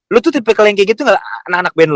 lu tuh tipe kalian kayak gitu gak anak anak band lu